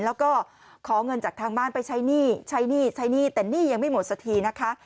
แล้วก็ขอเงินจากทางบ้านไปใช้หนี้ใช้หนี้ใช้หนี้แต่หนี้ยังไม่หมดสักทีนะคะ